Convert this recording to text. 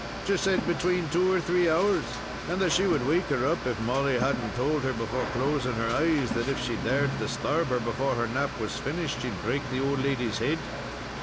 She said between two or three hours, and that she would wake her up, if Molly hadn't told her before closing her eyes that if she dared to disturb her before her nap was finished, she'd break the old lady's head.